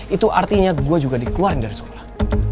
itu artinya gue juga dikeluarin dari sekolah